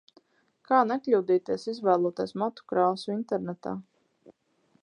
Kā nekļūdīties izvēloties matu krāsu internetā?